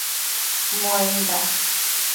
Muainda